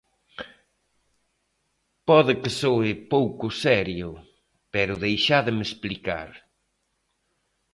Pode que soe pouco serio, pero deixádeme explicar.